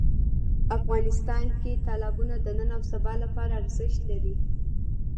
افغانستان کې تالابونه د نن او سبا لپاره ارزښت لري.